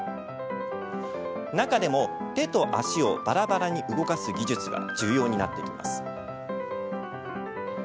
中でも、手と足をバラバラに動かす技術が重要になってきます。